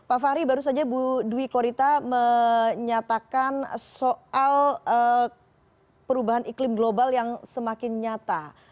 pak fahri baru saja bu dwi korita menyatakan soal perubahan iklim global yang semakin nyata